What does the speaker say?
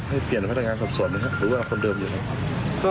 ให้พันธุ์งานสอบสวนตัวเดิมสอบเหมือนเดิม